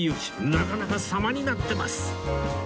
なかなか様になってます！